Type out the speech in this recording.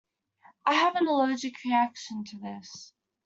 I have an allergic reaction to this.